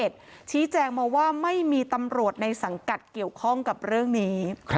ชี้แจงมาว่าไม่มีตำรวจในสังกัดเกี่ยวข้องกับเรื่องนี้